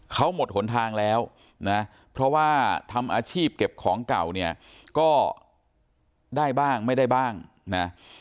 เขาหมดหนทางแล้วนะเพราะว่าทำอาชีพเก็บของเก่าเนี่ยก็ได้บ้างไม่ได้บ้างนะ